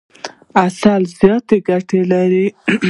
عسل زیاتي ګټي لري.